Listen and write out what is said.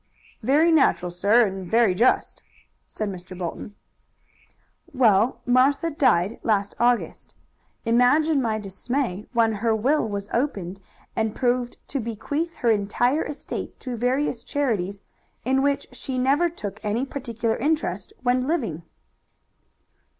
"Very natural, sir, and very just." "Well, Martha died last August. Imagine my dismay when her will was opened and proved to bequeath her entire estate to various charities in which she never took any particular interest when living."